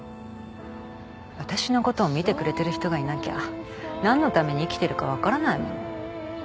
私のことを見てくれてる人がいなきゃ何のために生きてるか分からないもの。